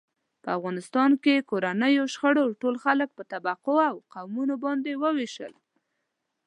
په افغانستان کې کورنیو شخړو ټول خلک په طبقو او قومونو باندې و وېشل.